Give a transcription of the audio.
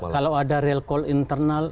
kalau ada real call internal